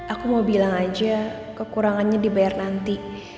aku mau bilang aja kekurangannya dibayar nanti